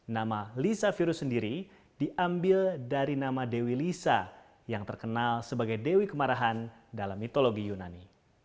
nama lisa virus sendiri diambil dari nama dewi lisa yang terkenal sebagai dewi kemarahan dalam mitologi yunani